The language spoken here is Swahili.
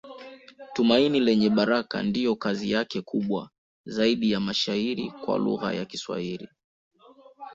Tumaini Lenye Baraka ndiyo kazi yake kubwa zaidi ya mashairi kwa lugha ya Kiswahili.